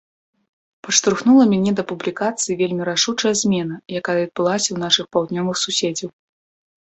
Падштурхнула мяне да публікацыі вельмі рашучая змена, якая адбылася ў нашых паўднёвых суседзяў.